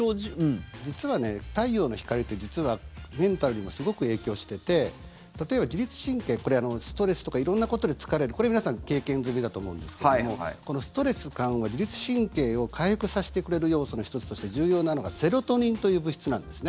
実は太陽の光ってメンタルにもすごく影響してて例えば自律神経、これはストレスとか色んなことで疲れるこれは皆さん経験済みだと思うんですけどもこのストレス緩和自律神経を回復させてくれる要素の１つとして重要なのがセロトニンという物質なんです。